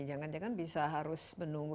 jangan jangan bisa harus menunggu